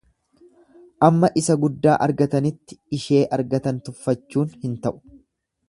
Amma isa guddaa argatanitti ishee argatan tuffachuun hin ta'u.